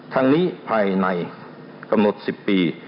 ทั้งนี้ภายในกำหนด๑๐ปี